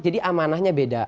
jadi amanahnya beda